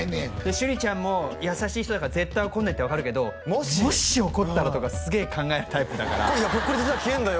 趣里ちゃんも優しい人だから絶対怒んないって分かるけどもし怒ったらとかすげえ考えるタイプだから「これ実は消えるんだよ」